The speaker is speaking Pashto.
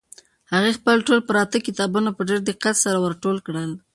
هغې خپل ټول پراته کتابونه په ډېر دقت سره ور ټول کړل.